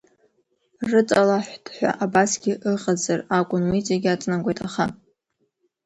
Рыҵалаҳәҭ ҳәа абасгьы ыҟазар акәын, уи иҵегь аҵанакуеит, аха.